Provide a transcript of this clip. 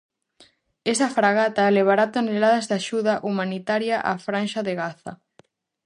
Esa fragata levará toneladas de axuda humanitaria á franxa de Gaza.